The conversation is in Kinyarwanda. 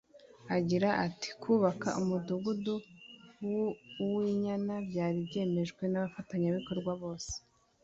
Agira ati “Kubaka Umudugudu w’Uwinyana byari byiyemejwe n’abafatanabikorwa bose